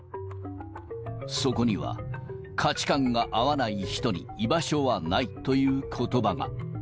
そこには、価値観が合わない人に居場所はないということばが。